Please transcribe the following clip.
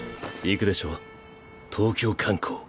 行くでしょ東京観光。